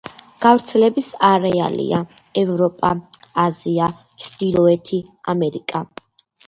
გავრცელების არეალია: ევროპა, აზია, ჩრდილოეთი ამერიკა.